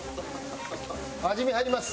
味見入ります。